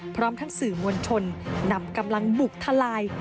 พร้อมทั้งสื่อมวลชนนำกำลังบุกทลาย